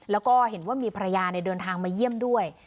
แล้วก็เห็นว่ามีภรรยาเดินทางมาเยี่ยมด้วย